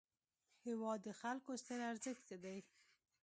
هېواد د خلکو ستر ارزښت دی.